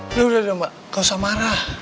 udah udah mbak gak usah marah